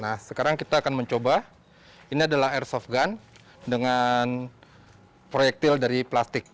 nah sekarang kita akan mencoba ini adalah airsoft gun dengan proyektil dari plastik